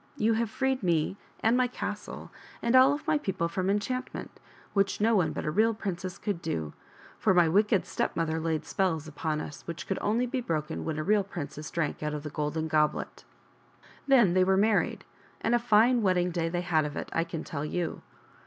You have freed me and my castle and all of my people from enchantment, which no one but a real princess could do. For my wicked stepmother laid spells upon us which could only be broken when a real princess drank out of the golden goblet." 70 PRINCESS GOLDEN HAIR AND THE GREAT BLACK RAVEN. Then they were married, and a fine wedding they had of it, I can tell you.